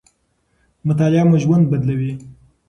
مطالعه مو ژوند بدلوي.